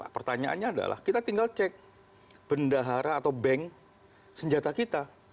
pertanyaannya adalah kita tinggal cek bendahara atau bank senjata kita